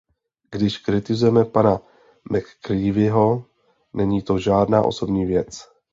Když kritizujeme pana McCreevyho, není to žádná osobní věc.